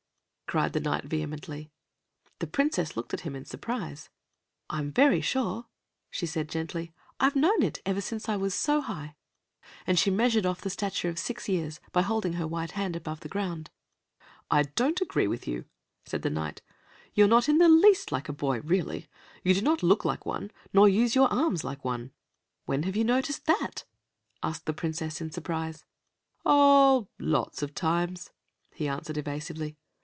cried the Knight vehemently. The Princess looked at him in surprise. "I'm very sure," she said gently. "I've known it ever since I was so high," and she measured off the stature of six years by holding her white hand above the ground. "I don't agree with you," said the Knight. "You're not in the least like a boy, really. You do not look like one, nor use your arms like one." "When have you noticed that?" asked the Princess, in surprise. "Oh, lots of times," he answered evasively.